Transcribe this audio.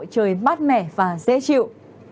trời mát mẻ và dễ chịu